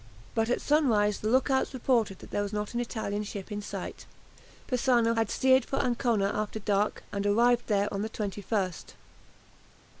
But at sunrise the look outs reported that there was not an Italian ship in sight. Persano had steered for Ancona after dark, and arrived there on the 21st.